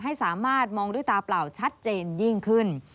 ให้สามารถมองด้วยตาเปล่าชัดเจนยิ่งขึ้น